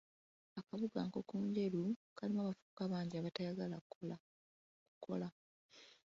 Akabuga Nkokonjeru kalimu abavubuka bangi abatayagala kukola.